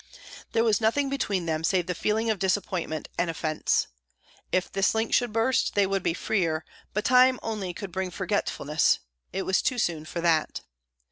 There was nothing between them save the feeling of disappointment and offence. If this link should burst, they would be freer; but time only could bring forgetfulness: it was too soon for that.